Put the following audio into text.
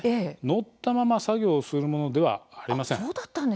乗ったまま作業をするものではありません。